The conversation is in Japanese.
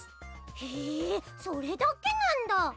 へえそれだけなんだ。